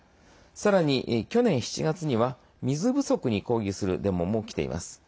さらに去年７月には水不足に抗議するデモも起きています。